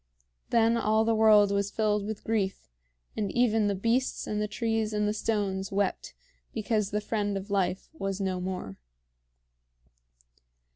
Then all the world was filled with grief, and even the beasts and the trees and the stones wept because the friend of life was no more.